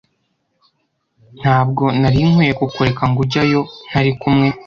Ntabwo nari nkwiye kukureka ngo ujyayo ntari kumwe.